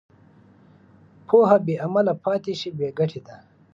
پوهه بېعمله پاتې شي، بېګټې ده.